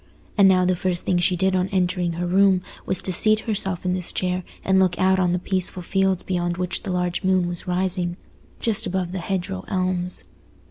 And now the first thing she did on entering her room was to seat herself in this chair and look out on the peaceful fields beyond which the large moon was rising, just above the hedgerow elms.